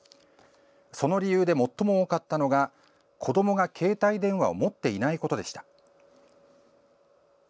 その理由で最も多かったのが子どもが携帯電話を持っていないことでした。